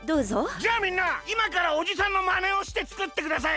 じゃあみんないまからおじさんのまねをしてつくってください。